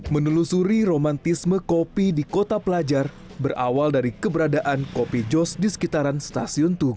menelusuri romantisme kopi di kota pelajar berawal dari keberadaan kopi jos di sekitaran stasiun tugu